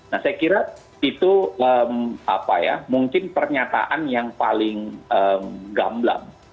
nah saya kira itu mungkin pernyataan yang paling gamblam